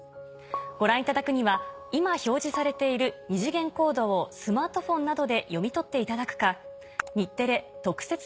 ご覧いただくには今表示されている二次元コードをスマートフォンなどで読み取っていただくか。